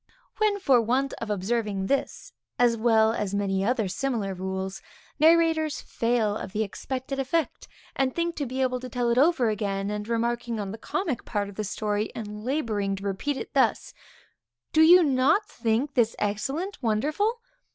When, for want of observing this, as well as many other similar rules, narrators fail of the expected effect, and think to be able to tell it over again, and remarking on the comic part of the story, and laboring to repeat it thus; _Do you not think this excellent, wonderful?